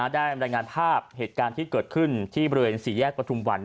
รายงานภาพเหตุการณ์ที่เกิดขึ้นที่บริเวณสี่แยกประทุมวัน